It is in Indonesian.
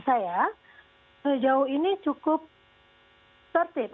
saya sejauh ini cukup tertib